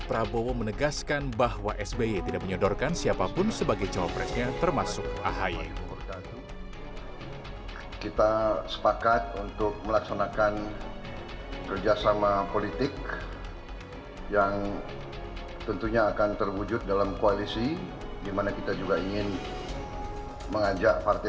prabowo menegaskan bahwa sby tidak menyedorkan siapapun sebagai cawapresnya termasuk ahy